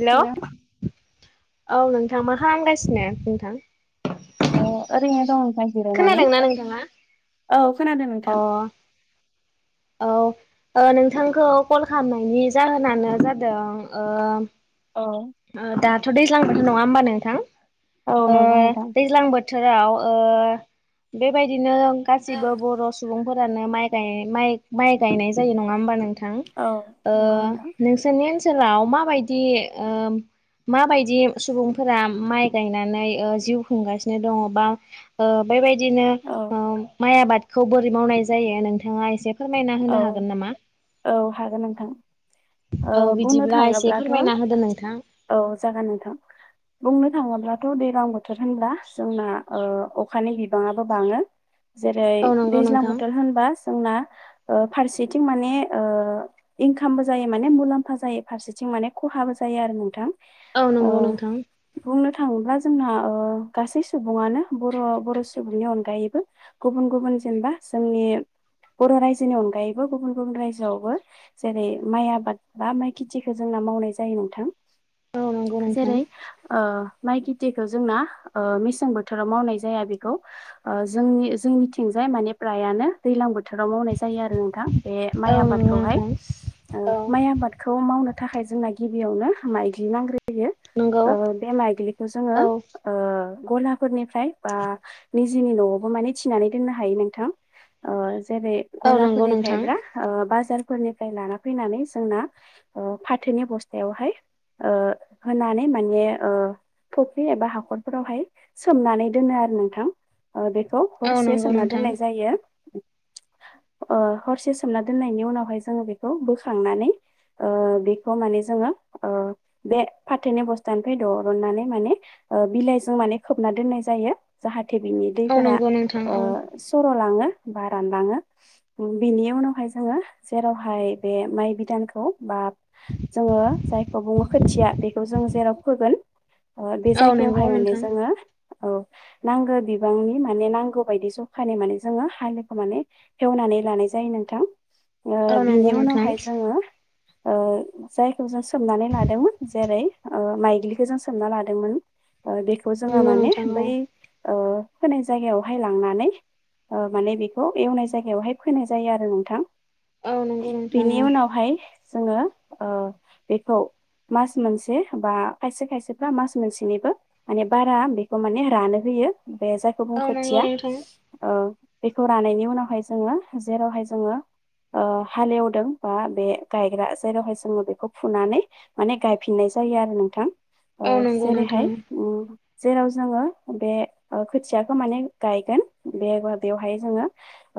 हेल hello औ नोंथां मा खालामगासिनो नोंथां। ओ ओरैनो दं नोंथां जिरायनानै खोनादोंना नोंथाङा? औ खोनादों। अ। नोंथां। औ ओ नोंथांखौ कल खालामनायनि जाहोनानो जादों। औ ओ दाथ दैज्लां बोथोर नङा होमबा नोंथां औ ओ नंगौ नोंथां। दैज्लां बोथ थोराव बेबायदिनो गासिबो बर सुबुं फोरानो माइ--माइ गायनाय जायो नङा होमबा नों। थां औ ओ नंगौ नोंथां। नोंसोरनि ओनसोलाव माबायदि ओ। माबायदि सुबुंफोरा माइ गायनानै ओ जिउ खुंगासिनो दङ बा। ओ बेबायदिनो औ ओ माइ आबादखौ बोरै मावनाय जायो नोंथाङा ए एसे फोरमायना औ होनो हागोन नामा। औ हागोन नोंथां ओ औ बुंनो बिदिब्ला एसे थाङोब्लाथ' फोरमायना होदो नोंथां। औ जागोन नोंथां। बुंनो थाङोब्लाथ दैलां बोथोर होनब्ला जोंना ओ अखानि बिबाङाबो बाङो। जेरै औ नंगौ दैज्लां नोंथां बोथोर होनबा जोंना। फारसेथिं माने ओ इनकामबो जायो माने मुलाम्फा जायो फारसेथिं माने खहाबो। जायो आरो नोंथां औ नंगौ ओ नोंथां बुंनो थाङोब्ला जोंनाओ गासै सुबुङा नो बर' बर' सुबुंनि अनगायैबो गुबुन गुबुन जेनेबा जोंनि बर' रायजोनि अनगायैबो गुबुन गुबुन रायजोआवबो जेरै माइ आबाद बा माइ खेथिखौ जोंना माव मावनाय जायो नोंथां औ नंगौ नोंथां जेरै माइ ओ माइ खे टिखौ जोंना मेसें बोथोराव मावनाय जाया बेखौ जोंनि जोंनिथिंजाय माने फ्रायानो दैज्लां बोथोर फोथोराव मावनाय जायो आरो नोंथां बे माइ औ नंगौ आबादखौहाय नोंथां ओ औ माइ आबादखौ मावनो थाखाय जोंना गिबियावनो माइग्लिनांग्रो फोयो नंगौ ओ बे माइग्लिखौ जोङो औ ओ गलाफोरनिफ्राय बा निजिनि न'आवबो माने थिनानै दोननो हायो नोंथां ओ जेरै औ नंगौ गलाफोरनिफ्राय नोंथां ब्रा ओ बाजार फोरनिफ्राय लाना फैनानै जोंना फाथोनि बस्थायावहाय ओ होनानै माने ओ फुख्रि एबा हाखरफोरावहाय सोमनानै दोनो आरो नोंथां बेखौ औ हरसे नंगौ सोमना नोंथां दोननाय जायो ओ हरसे सोमना दोननायनि उनावहाय जोङो बेखौ बोखांनानै ओ बेखौ माने जोङो ओ बे फाथोनि बस्थानिफ्राय दरननानै माने ओ बिलाइजों माने खोबना दोननाय जायो जाहा थे बिनि औ दैफोरा नंगौ नोंथां औ सरलाङो बा रानलाङो बेनि उनावहाय जोङो जेरावहाय बे माइ बिदानखौ बा जोङो जायखौ बुङो खोथिया बेखौ जों जेराव फोगोन बे औ नंगौ जायगायावहाय माने नोंथां जोङो औ नांगो बिबांनि माने नांगौ बायदि जखानि माने जोङो हाल [unintelligible] माने हेवनानै लानाय जायो नोंथां ओ औ बिनि नंगौ नोंथां उनावहाय जोङो ओ जायखौ जों सोमनानै लादोंमोन जेरै ओ माइग्लिखो जों सोमना लादोंमोन ओ बेखौ जोङो नंगौ माने नोंथां औ बै ओ फोनाय जायगायावहाय लांनानै ओ माने बि खौ एवनाय जायगायावहाय फैनाय जायो आरो नोंथां औ नंगौ नोंथां बेनि औ उनावहाय जोङो ओ बेखौ मास मोनसे बा खायसे खायसेफ्रा मास मोनसेनिबो माने बारा बेखौ माने रानो होयो बे जायखौ औ नंगौ बुंखोथिया नोंथां ओ खौ रानायनि उनावहाय जोङो जेरावहाय जोङो ओ हालेवदों बा बे गायग्रा जेरावहाय जोङो बेखौ फुनानै माने गायफिननाय जायो आरो नोंथां ओ औ नंगौ नोंथां जेरैहाय उम जेराव जोङो बे ओ खोथियाखौ माने गायगोन बेग बेवहाय जोङो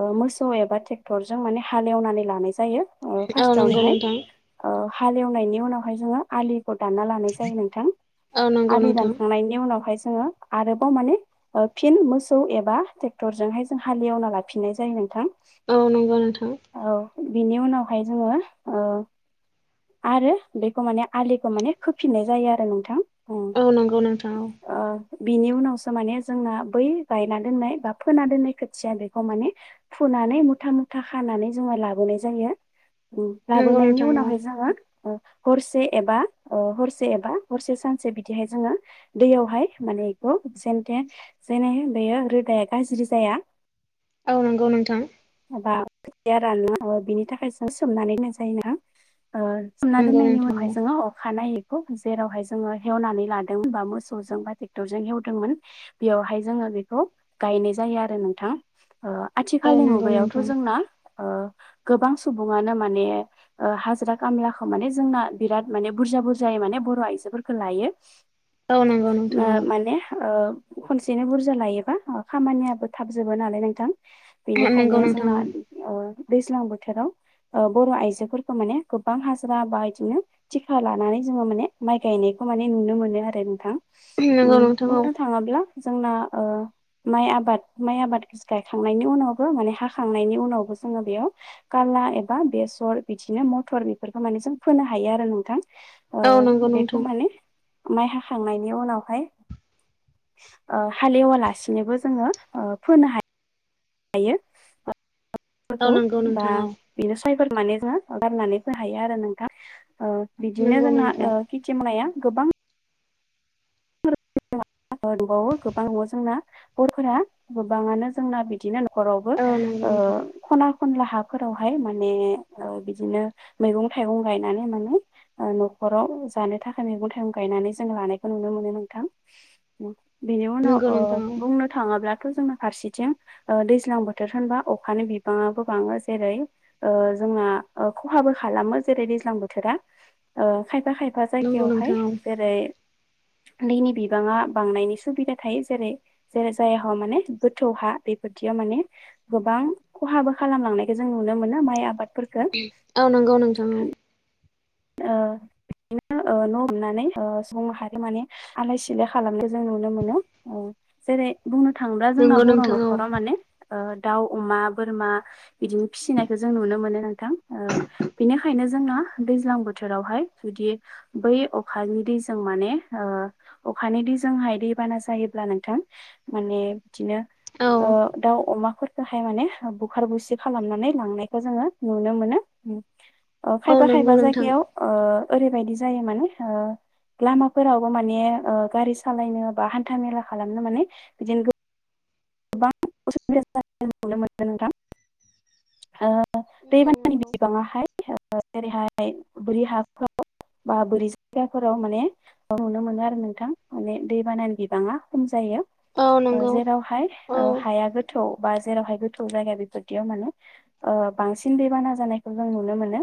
ओ मोसौ एबा थेक्टर जों माने हालेवनानै लानाय जायो ओ औ नंगौ फार्स्टावनोहाय नोंथां ओ हालेवनायनि उनावहाय जोङो आलि खौ दानना लानाय जायो नोंथां औ नंगौ आलि नोंथां दानखांनायनि उनावहाय ज जोङो आरोबाव माने ओ फिन मोसौ एबा थेक्टर जोंहाय जों हालेवना लाफिननाय जायो नोंथां औ नंगौ नोंथां औ बिनि उनावहाय जोङो ओ आरो बेखौ माने आलिखौ माने खोफिननाय जायो आरो नोंथां ओ औ नंगौ नोंथां औ बिनि उनावसो माने जोंना बै गायना दोननाय बा फोना दोननाय खोथ थिया बेखौ माने फुनानै मुथा मुथा खानानै जोङो लाबोनाय जायो उम औ नंगौ लाबोनायनि नोंथां औ उनावहाय जोङो ओ हरसे एबा ओ हरसे एबा हरसे सानसे बिदिहाय जोङो दैयावहाय मोन [unintelligible] जेनथे जेने बेयो रोदाया गाज्रि जाया औ नंगौ नोंथां बा खोथिया रानो ओ बिनि थाखाय जों सोमनानै होनाय जायोना ओ सोमना नंगौ दोननायनि नोंथां औ उनावहाय जोङो अखानायै खौ जेरावहाय जोङो हेवनानै लादों बा मोसौजों बा टेक्टरजों हेवदोंमोन बेयावहाय जोङो बेखौ गायनाय जायो आरो नोंथां ओ औ आथिखालनि नंगौ मुगायावथ' नोंथां जोंना ओ गोबां सुबुङानो माने ओ हाजिरा कामलाखो माने जोंना बिराद माने बुरजा बुरजायै माने बर' आइजोफोरखो लायो औ नंगौ मो नोंथां माने ओ खनसेनो बुरजा लायोबा ओ खामानियाबो थाब जोबो नालाय नोंथां औ नंगौ खायनो नोंथां जोंना ओ दैज्लां बोथोराव ओ बर' आइजोफोरखो माने गोबां हाजिरा बा इदिनो थिखा लानानै जोङो माने माइ गायनायखौ माने नुनो मोनो आरो नोंथां औ नंगौ उम नोंथां औ बुंनो थाङोब्ला जोंना ओ माइ आबाद माइ आबाद गायखांनायनि उनाव बो माने हाखांनायनि उनावबो जोङो बेयाव काला एबा बेसर बिदिनो मथर बिफोरखो माने जों फोनो हायो आरो नोंथां ओ औ नंगौ बेखौ नोंथां माने माइ हाखांनायनि उनावहाय ओ हालेवालासिनोबो जोङो ओ फोनो हा [unintelligible] औ ओ नंगौ नोंथां औ गारनानैबो हायो आरो नोंथां ओ बिदिनो नंगौ जोंना नोंथां ओ खिथि माया गोबां [inaudible] [unintelligible] जोंना हरफोरा गोबाङानो जोंना बिदिनो न' हरावबो औ ओ नंगौ ख'ना खनला हाफोरावहाय माने ओ बिदिनो मैगं थाइगं गायनानै माने ओ न' न'खराव जानो थाखाय मैगं थाइगं गायनानै जों लानायखौ नुनो मोनो। नोंथां बेनि उनाव ओ नोंथां बुंनो थाङोब्लाथ' जों फारसे थिं ओ दैज्लां बोथोर होनबा अखानि बिबाङा बाङो जेरै ओ जोंना ओ खहाबो खालामो जेरै दैज्लां बोथोरा‌ ओ खायफा खायफा नंगौ जायगायावहाय नोंथां जेरै दैनि बिबाङा बांनायनि सुबिदा थायो जेरै जेरै जायहा माने गोथौ हा बेफोर‌थि याव माने गोबां खहाबो खालामलांनायखो जों नुनो मोनो माइ आबाद औ नंगौ नोंथां औ। ओ [unintelligible] ओ न' लुनानै ओ‌ [unintelligible] माने आलाय सिलाय खालामनायखो जों नुनो मोनो ओ जेरै बुंनो थाङोब्ला जोंना नंगौ बर' नोंथां न'खरा औ मानेओ दाउ अमा बोरमा बिदिनो फिसिनायखौ जों नुनो मोनो नोंथां बेनिखायनोज जोंना दैज्लां बोथोरावहाय जुदि बै अखानि दैजों माने ओ अखानि दै जोंहाय दै दै बाना जायोब्ला नोंथां माने बिदिनो औ ओ दाव, अमा फोरखौहाय माने बुखार बुसि खालामनानै लांनायखौ जोङो नुनो मोनो। ओ औ खायफा खायफा नंगौ नोंथां जायगायाव ओ ओरैबायदि जायो माने ओ लामाफोरावबो माने ओ गारि सालायनो बा हान्था मेला खालामनो माने बिदिनो गो [unintelligible] नोंथां ओ नंगौ दैबानानि नंगौ बिबाङाहाय ओ जेरैहाय बोरि हाफ्राव बा बोरै जायगाफोराव माने नुनो मोनो आरो नोंथां माने दैबानानि बिबाङा खम जायो। औ ओ नंगौ जेरावहाय औ ओ हाया गोथौ बा जेरावहाय गोथौ जायगा बेफोरदियाव माने ओ बांसिन दैबाना जानायखौ जों नुनो मोनो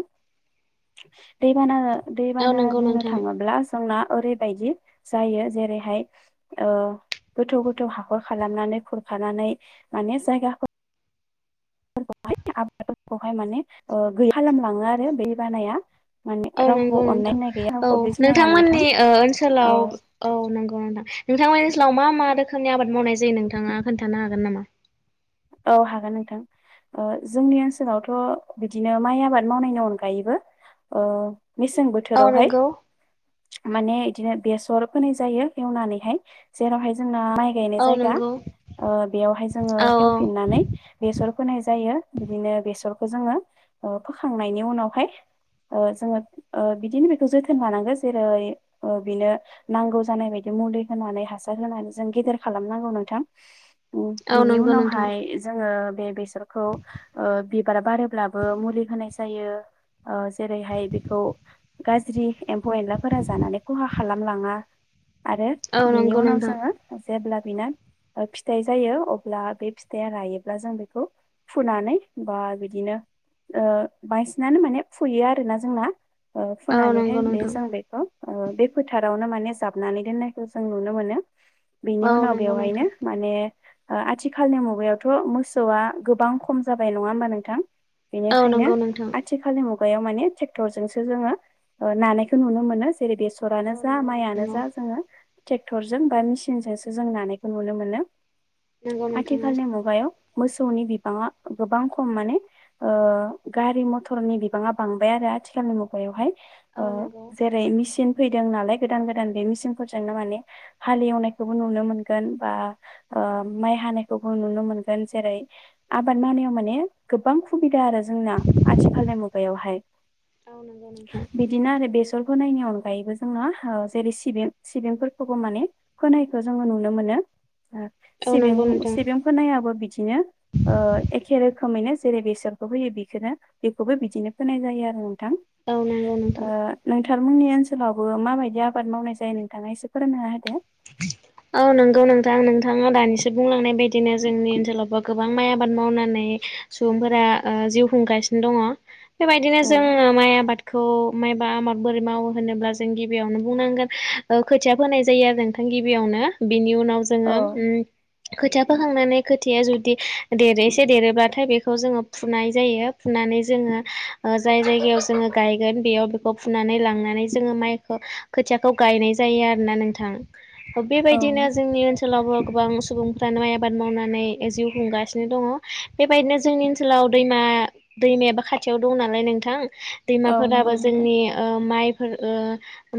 दैबाना औ दैबाना नंगौ बुंनो नोंथां थाङोब्ला जोंना ओरैबायदि जायो जेरैहाय ओ गोथौ गोथौ हाखर खालामनानै खुरखानानै माने जायगाफो फोरखौहाय आबादफोरखौहाय माने गैया खालाम लाङो आरो दै बानाया। माने औ नंगौ रावखौबो अननाय नोंथां होननाय गैया औ रावखौबो सिनाया नोंथां नोंथांमोननि ओ औ ओनसोलाव औ नंगौ नोंथां नोंथांमोननि ओनसोलाव मा मा रोखोमनि आबाद मावनाय जायो नोंथाङा खोन्थानो हागोन नामा? औ हागोन नोंथां। ओ जोंनि ओनसोलावथ' बिदिनो माइ आबाद मावनायनि अनगायैबो मेसें औ बोथोरावहाय। नंगौ माने बिदिनो बेसर फोनाय जायो एवनानैहाय जेरावहाय जों न आव माइ गायनाय औ जायगा नंगौ ओ बेयावहाय औ जोङो। एवफिननानै बेसर फोनाय जायो बिदिनो बेसर खौ जोङो फोखांनायनि उनावहाय। जोङो बिदिनो बेखौ जोथोन लानांगौ जेरै बेनो नांगौ जानाय बायदि। मुलि होनानै हासार होनानै जों गेदेर खालामनांगौ नोंथां। उम औ बिनि नंगौ नोंथां उनावहाय जोङो बे बेसरखौ ओ बि बार बारोब्लाबो मुलि होनाय जायो। ओ जेरैहाय बिखौ गाज्रि एम्फौ एनलाफोरा जानानै खहा खालाम लाङा। आरो औ बिनि नंगौ उनाव नोंथां जोङो जेब्ला बिना फिथाइ जायो अब्ला बे फिथाइआ रायोब्ला जों बेखौ फुनानै बा बिदिनो बांसिनानो माने फुयो आरोना जोंना औ नंगौ फुनानैहाय बे नोंथां जों बेखौ बे फोथारावनो माने जाबनानै दोननायखौ जों नुनो मोनो। बेनि औ उनाव नंगौ नोंथां बेवहायनो माने आथिखाल आथिखालनि मुगायावथ' मोसौआ गोबां खम जाबाय नङा होमबा नोंथां। औ नंगौ नोंथां औ बेनिखायनो नंगौ नोंथां आथिखालनि मु मुगायाव माने ट्रेक्टरजोंसो जों नानायखौ नुनो मोनो। जेरै बेसरानो औ जा नंगौ माइयानो जा नोंथां जोङो। ट्रेक्टरजों बा मिेसिनजोंसो जों नानायखौ नुनो मोनो औ आथिखालनि मुगायाव मोसौनि बिबाङा गोबां खम माने ओ गारि मथरनि बिबाङा बांबाय आरो आथीखाल मुगायाव हाय नंगौ जेरै मेसिन फैदों नालाय गोदान गोदान बे मिेसिनफोरजोंनो माने हालेवनायखौबो नुनो मोनगोन बा माइ हानायखौ नुनो मोनगोन जेरै आबाद मावनायाव माने गोबां सुबिदा आरो जों आथिखालनि मुगायावह औ नंगौ नोंथां बिदिनो बेल होनायनि अनगायैबो जोंङो जेरै सिबि सिबिंफोरखौबो माने फायखौ जोङो नुनो मोनो औ नंगौ नोंथां सिबिंफोर नायाबो बिदिनो एखेे रोखोमैनो जेरै बेसरखौ होयो बेखौनो बेखौबो बिदिनो फोनाय जायो आरो औ नंगौ नोंथां नमोननि ओनसोलावबो माबायदि आबाद मावनाय जायो नोंथाङा एसे फोरोंना होदो [unintelligible] औ नंगौ नोंथां नोंथाङा दानिसो बुंलांनाय बायदिनो जोंनि ओनसोलावबो गोबां माइ आबाद मावनानै सुबुंफोरा जिउ खुंगासिनो दङ बेबायदिनो जोङो माइ आबादखौ माइ बा आबाद बोरै मावो होनोब्ला जों गिबियावनो बुंनांगोन खोथिया फाय जायो आरो थ गिबियावनो बिनि उनाव जोङो औ खोथिया फोखांनानै खोथिया जुदि देरैसे देरोब्लाथाय बेखौ जोङो फुनाय जायो फुनाय नानै जोङो जाय जायगायाव जोङो गायगोन बेयाव बेखौ फुनानै लांनानै जोङो माइखौ खोथियाखौ गायनाय जायो आरो ना नोंथां औ बेबायदिनो जोंनि ओनसोलावबो गोबां सुबुंफ्रानो माइ आबाद मावनान नै जिउ खुंगासिनो दङ बेबायदिनो जोंनि ओनसोलाव दैमा दैमाया बा खाथियाव दं नाम नै नोंथां औ दैमाफोराबो नंगौ नोंथां जोंनि ओ माइ ओ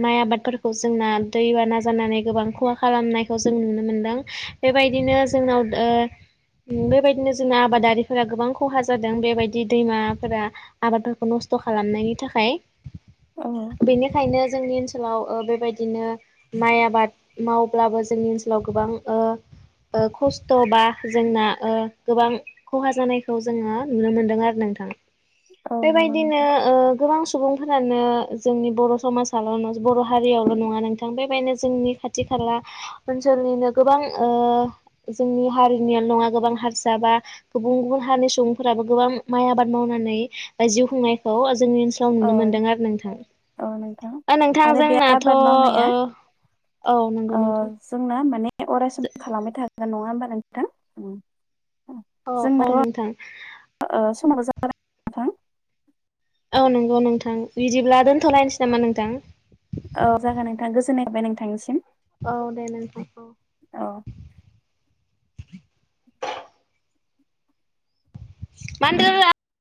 माइ आबादफोरखौ जोंना दै बाना जानानै गोबां खहा खालामनायखौ जों नुनो मोनदों । बेबायदिनो जोंनाव ओ बेबायदिनो जोंना आबादारिफोरा गोबां खहा जादों बेबायदि दैमाफोरा आबादफोरखौ न थ' खालामनायनि औ थाखाय। बेनिखायनो जोंनि ओनसोलाव ओ बेबायदिनो माइ आबाद। मावब्लाबो जोंनि ओनसोलाव गोबां ओ ओ खस्थ' बा जोंना ओ गोबां खहा जानायखौ जोङो नुनो मोनदों आरो नोंथां। औ नंगौ बेबायदिनो नोंथां ओ गोबां सुबुंफोरानो जोंनि बर' समाजल' बर' हारियावल' नङा नोंथां बेबायदिनो जोंनि थि खाला ओनसोलनिनो गोबां ओ जोंनि हारिनियाल' नङा गोबां हारसा बा गुबुन गुबुन हारिनि सुबुंफोराबो गोबां माइ आबाद मावनानै जिउ खुंनायखौ जोंनि ओनसोलाव औ नुनो मोन्दों आरो नोंथां। औ नोंथां ओ नोंथां आरो बे जोंनाथ' ओ आबाद मावनाया औ ओ नंगौ नोंथां। जोंना माने अरायसम खालामबाय थागोन नङा होमबा नों नोंथां उम। औ औ नोंथां [unintelligible] औ नंगौ नोंथां बिदिब्ला दोनथ'लायनोसै नामा नोंथां। औ जागोन नोंथां गोजोननाय थाबाय नोंथांनिसिम। औ दे नोंथां। औ। [unintelligible]